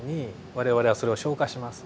我々はそれを消化します。